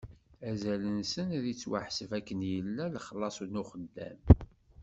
Azal-nsen ad ittwaḥseb akken yella lexlaṣ n uxeddam.